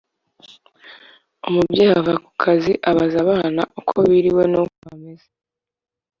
Umubyeyi ava kukazi abaza abana uko biriwe n’uko bameze